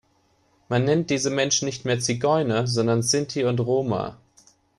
Man nennt diese Menschen nicht mehr Zigeuner, sondern Sinti und Roma.